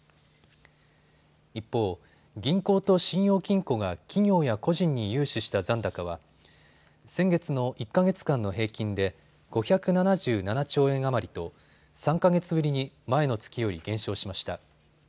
一方、銀行と信用金庫が企業や個人に融資した残高は先月の１か月間の平均で５７７兆円余りと３か月ぶりに前の月より減少しました。